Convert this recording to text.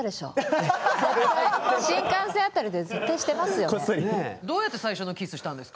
新幹線あたりで絶対してますよね。